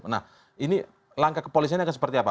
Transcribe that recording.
nah ini langkah kepolisiannya seperti apa